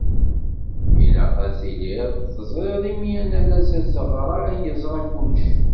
Ilaq ad tiliḍ teẓriḍ imi anallas azeɣray yeẓra kullec.